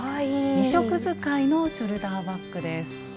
２色使いのショルダーバッグです。